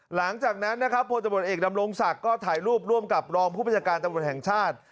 หลังจากนั้นนะครับพลตำรวจเอกดำรงศักดิ์ก็ถ่ายรูปร่วมกับรองผู้บัญชาการตำรวจแห่งชาติ